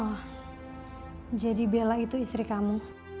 oh jadi bella itu istri kamu